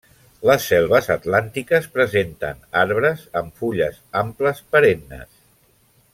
Les selves atlàntiques presenten arbres amb fulles amples perennes.